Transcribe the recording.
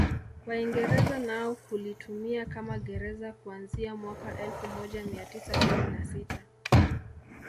Waingereza nao kulitumia kama gereza kuanzia mwaka elfu moja mia tisa kumi na sita